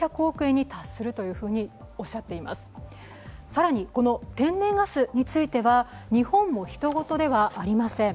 更に天然ガスについては日本もひと事ではありません。